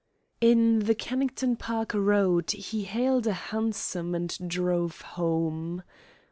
In the Kennington Park Road he hailed hansom and drove home.